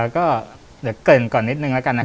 ก็เดี๋ยวเกริ่นก่อนนิดนึงแล้วกัน